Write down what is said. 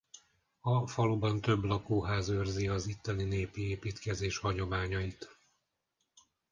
A faluban több lakóház őrzi az itteni népi építkezés hagyományait.